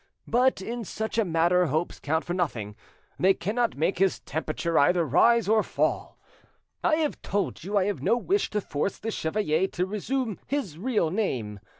But in such a matter hopes count for nothing; they cannot make his temperature either rise or fall. I have told you I have no wish to force the chevalier to resume his real name.